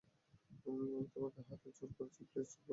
আমি তোমাকে হাতজোড় করছি, প্লিজ চুপ করো!